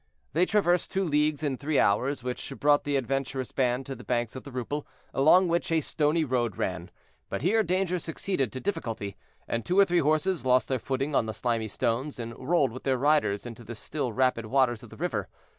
They traversed two leagues in three hours, which brought the adventurous band to the banks of the Rupel, along which a stony road ran; but here danger succeeded to difficulty, and two or three horses lost their footing on the slimy stones, and rolled with their riders into the still rapid waters of the river.